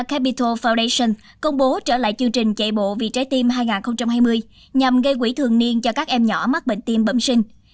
capital foundation công bố trở lại chương trình chạy bộ vì trái tim hai nghìn hai mươi nhằm gây quỹ thường niên cho các em nhỏ mắc bệnh tim bẩm sinh